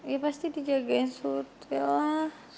ya pasti dijagain sudah lah